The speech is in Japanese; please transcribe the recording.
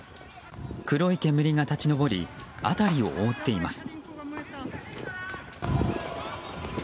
黒い煙が立ち上り辺りを覆っています。